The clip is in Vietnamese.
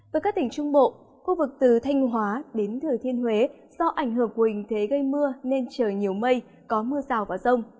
với các tỉnh trung bộ khu vực từ thanh hóa đến thừa thiên huế do ảnh hưởng của hình thế gây mưa nên trời nhiều mây có mưa rào và rông